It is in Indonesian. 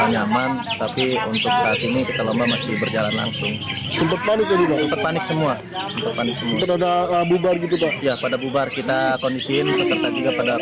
ya pada bubar kita kondisiin peserta juga pada keluar nyari tempat yang nyaman